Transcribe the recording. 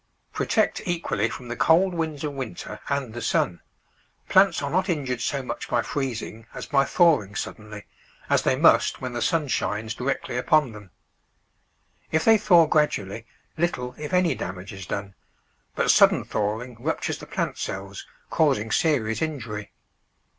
Protect equally from the cold winds of winter and Digitized by Google Nineteen] Witlttt ^tOtrCttXHX *>5 the sun ; plants are not injured so much by freezing as by thawing suddenly, as they must when the sun shines directly upon them. If they thaw gradually, little if any damage is done, but sudden thawing ruptures the plant cells, causing serious injury.